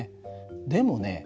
でもね